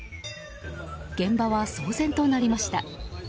現場は騒然となりました。